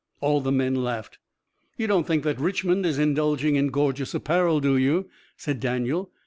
All the men laughed. "You don't think that Richmond is indulging in gorgeous apparel do you?" said Daniel.